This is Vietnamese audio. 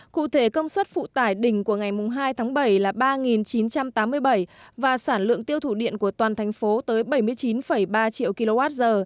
cụ thể công suất phụ tải đỉnh của ngày hai tháng bảy là ba chín trăm tám mươi bảy và sản lượng tiêu thụ điện của toàn thành phố tới bảy mươi chín ba triệu kwh